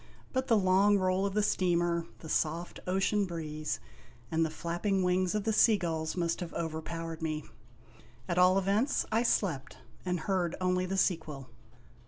But the long roll of the steamer, the soft ocean breeze, and the flapping wings of the sea gulls must have overpowered me. At all events, I slept, and heard only the sequel.